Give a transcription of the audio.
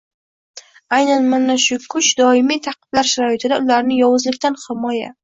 Aynan mana shu kuch doimiy ta’qiblar sharoitida, ularni yovuzlikdan himoya